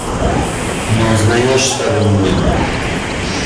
Не узнаешь что ли меня?